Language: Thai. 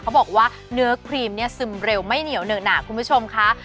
เขาบอกว่าเนื้อครีมซึมเร็วไม่เหนียวเนื้อหนาคุณผู้ชมคะ